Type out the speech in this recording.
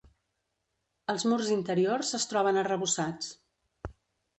Els murs interiors es troben arrebossats.